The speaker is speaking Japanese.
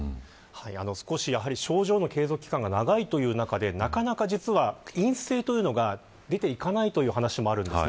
少し症状の継続期間が長いという中でなかなか実は陰性というのが出ていかないというお話もあるんです。